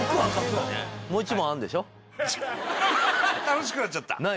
楽しくなっちゃった。